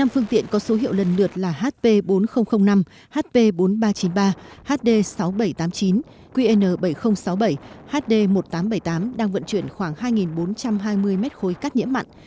năm phương tiện có số hiệu lần lượt là hp bốn nghìn năm hp bốn nghìn ba trăm chín mươi ba hd sáu nghìn bảy trăm tám mươi chín qn bảy nghìn sáu mươi bảy hd một nghìn tám trăm bảy mươi tám đang vận chuyển khoảng hai bốn trăm hai mươi mét khối cát nhiễm mặn